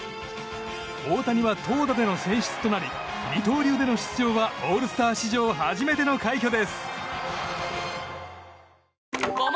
大谷は投打での選出となり二刀流での出場はオールスター史上初めての快挙です。